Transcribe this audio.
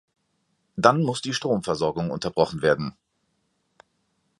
Dann muss die Stromversorgung unterbrochen werden.